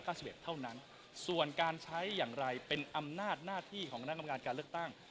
เท่านั้นส่วนการใช้อย่างไรเป็นอำนาจหน้าที่ของคณะกรรมการการเลือกตั้ง